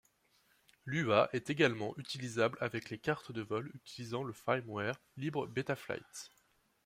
Lua est également utilisable avec les cartes de vol utilisant le firmware libre Betaflight.